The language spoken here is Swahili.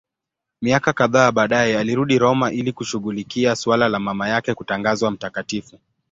Miaka kadhaa baadaye alirudi Roma ili kushughulikia suala la mama yake kutangazwa mtakatifu.